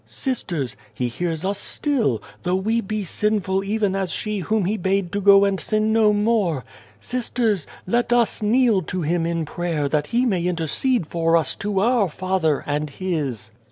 " Sisters, He hears us still, though we be sinful even as she whom He bade to go and sin no more. Sisters, let us kneel to Him in prayer that He may intercede for us to our Father and His."